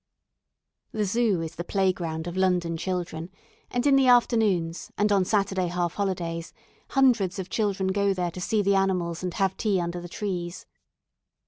The "Zoo" is the playground of London children, and in the afternoons, and on Saturday half holidays, hundreds of children go there to see the animals and have tea under the trees.